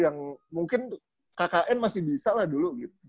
yang mungkin kkn masih bisa lah dulu gitu